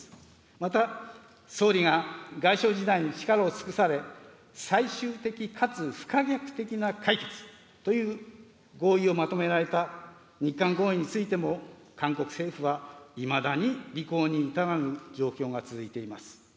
また総理が外相時代に力を尽くされ、最終的かつ不可逆的な解決という合意をまとめられた、日韓合意についても、韓国政府はいまだに履行に至らぬ状況が続いています。